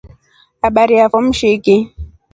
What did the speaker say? Habari yafo mshiki.